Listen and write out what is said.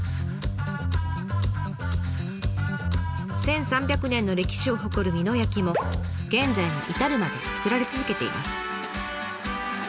１，３００年の歴史を誇る美濃焼も現在に至るまで作られ続けています。